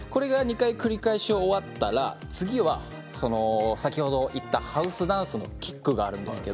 繰り返し終わったら先ほど言ったハウスダンスのキックがあります。